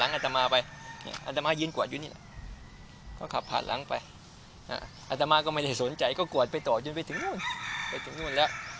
อัตตามาก็ไม่ได้สนใจต้องกดไปต่อย้อนไปถึงนู่น